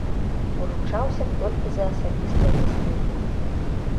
Уручаўся толькі за асабістыя заслугі.